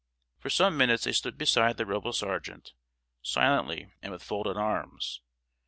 For some minutes they stood beside the Rebel sergeant, silently and with folded arms.